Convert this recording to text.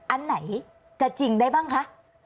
อันไหนจะจริงได้บ้างคะ